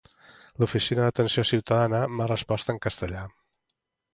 L'oficina d'atenció ciutadana m'ha respost en castellà.